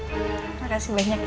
jadi kamu gak usah khawatir